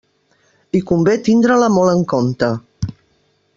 I convé tindre-la molt en compte.